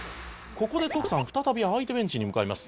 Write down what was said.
「ここでトクサン再び相手ベンチに向かいます」